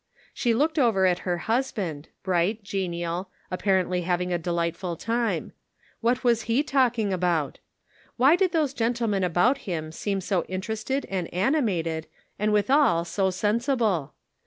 She looked over at her husband, bright, genial, apparently having a delightful time. What was he talking about? Why did those gentlemen about him seem so inter 130 The Pocket Measure. ested and animated, and withal so sensible